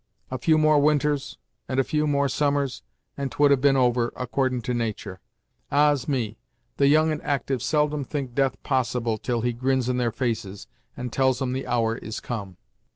A few more winters, and a few more summers, and 'twould have been over, accordin' to natur'. Ah's! me, the young and actyve seldom think death possible, till he grins in their faces, and tells 'em the hour is come!"